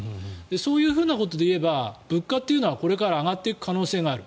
そういうふうなことで言えば物価というのはこれから上がっていく可能性がある。